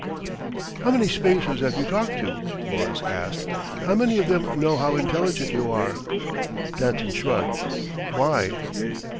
"How many Spacers have you talked to?" Lors asked. "How many of them know how intelligent you are?" Danson shrugged. "Why?"